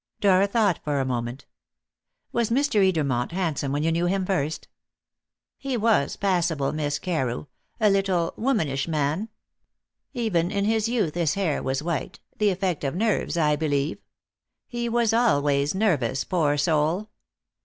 Dora thought for a moment. "Was Mr. Edermont handsome when you knew him first?" "He was passable, Miss Carew a little, womanish man. Even in his youth his hair was white the effect of nerves, I believe. He was always nervous, poor soul!"